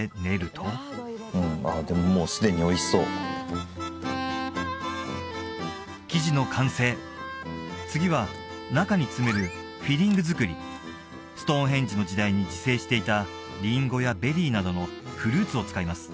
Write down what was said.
でも生地の完成次は中に詰めるフィリング作りストーンヘンジの時代に自生していたリンゴやベリーなどのフルーツを使います